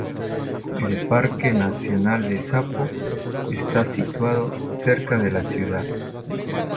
El parque nacional de Sapo está situado cerca de la ciudad.